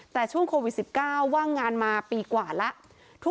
แต่ช่วงโควิด๑๙ว่างงานมาปีกว่าแล้ว